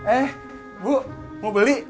eh bu mau beli